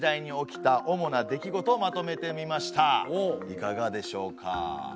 いかがでしょうか？